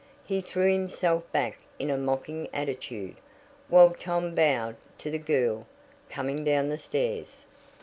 He threw himself back in a mocking attitude, while Tom bowed to the "girl coming down the stairs."